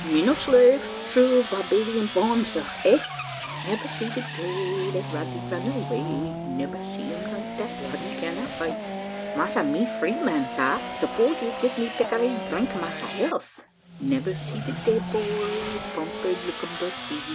Me no slave true Barbadian born, sir, Eh! "Nebba see de day Dat Rodney run away, Nebba see um night Dat Rodney cannot fight. "Massa, me free man, sar. Suppose you give me pictareen, drink massa health. "Nebba see de day, boy, Pompey lickum de Caesar.